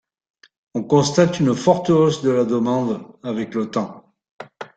On constate une forte hausse de la demande avec le temps.